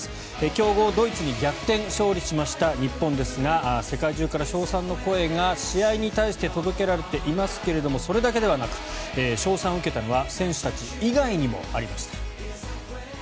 強豪ドイツに逆転勝利しました日本ですが世界中から称賛の声が試合に対して届けられていますけれどもそれだけではなく称賛を受けたのは選手たち以外にもありました。